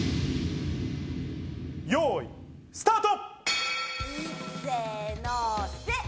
よい、スタート！